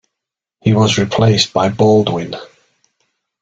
He was replaced by Baldwin.